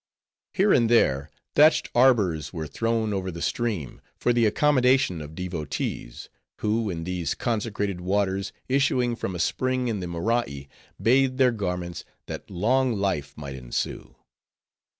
Here and there, thatched arbors were thrown over the stream, for the accommodation of devotees; who, in these consecrated waters, issuing from a spring in the Morai, bathed their garments, that long life might ensue.